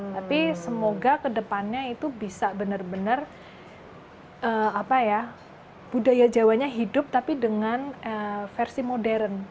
tapi semoga kedepannya itu bisa benar benar budaya jawanya hidup tapi dengan versi modern